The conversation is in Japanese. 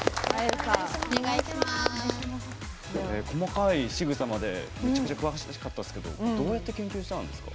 細かいしぐさまでめちゃくちゃ詳しかったですけどどうやって研究したんですか？